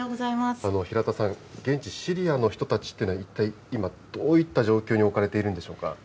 平田さん、現地シリアの人たちというのは、一体今、どういった状況に置かれているんでしょうか。